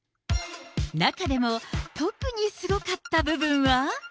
中でも特にすごかった部分は？